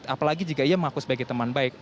apalagi jika ia mengaku sebagai teman baik